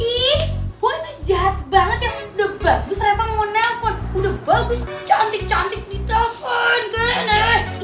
ih boy tuh jahat banget ya udah bagus reva mau nelfon udah bagus cantik cantik ditelkan kan eh